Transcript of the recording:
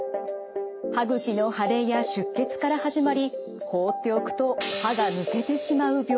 歯ぐきの腫れや出血から始まり放っておくと歯が抜けてしまう病気です。